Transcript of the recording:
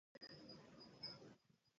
يا روضة الحسن إن النفس خضراء